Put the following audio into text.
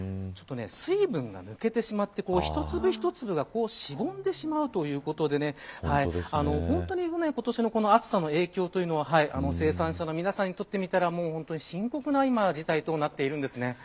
水分が抜けて、一粒一粒がしぼんでしまうということで今年の暑さの影響というのは生産者の皆さんにとってみたら深刻な事態となっているんです。